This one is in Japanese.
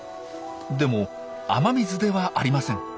でも雨水ではありません。